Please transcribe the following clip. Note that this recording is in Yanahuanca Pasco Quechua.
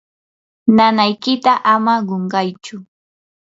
nanaykita ama qunqaychu.